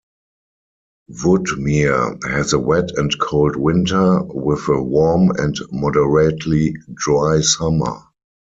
Woodmere has a wet and cold winter, with a warm and moderately dry summer.